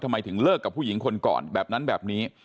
ทำไมถึงเลิกกับผู้หญิงคนก่อนแบบนั้นแบบนี้